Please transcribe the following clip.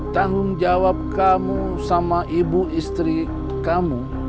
tanggung jawab kamu sama ibu istri kamu